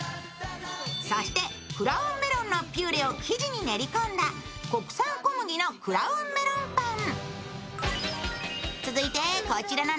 そして、クラウンメロンのピューレを生地に練り込んだ、国産小麦のクラウンメロンパン。